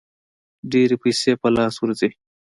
ډېرې پیسې په لاس ورځي.